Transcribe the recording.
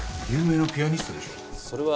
有名なピアニストでしょ。